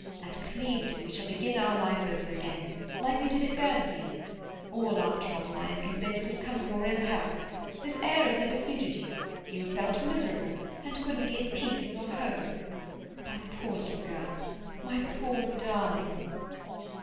At Clevedon we shall begin our life over again—like we did at Guernsey. All our trouble, I am convinced, has come of your ill health. This air has never suited you; you have felt miserable, and couldn't be at peace in your home. Poor little girl! My poor darling!"